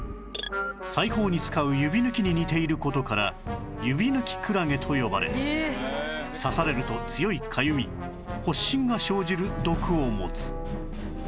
裁縫に使う指ぬきに似ている事からユビヌキクラゲと呼ばれ刺されると強いかゆみ発疹が生じる毒を持つ